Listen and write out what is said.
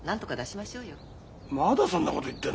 まだそんなこと言ってるのか？